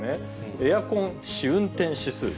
エアコン試運転指数。